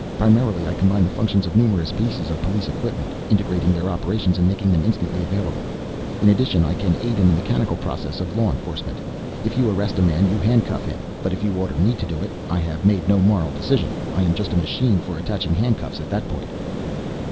Primarily I combine the functions of numerous pieces of police equipment, integrating their operations and making them instantly available. In addition I can aid in the mechanical processes of law enforcement. If you arrest a man you handcuff him. But if you order me to do it, I have made no moral decision. I am just a machine for attaching handcuffs at that point